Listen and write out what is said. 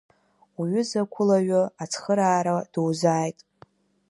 Уҩыза ақәылаҩы ацхыраара дузааит…